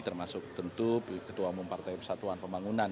termasuk tentu ketua umum partai persatuan pembangunan